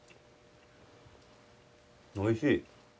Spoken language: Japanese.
おいしい。